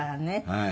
はい。